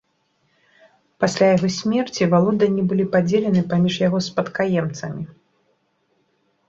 Пасля яго смерці валоданні былі падзелены паміж яго спадкаемцамі.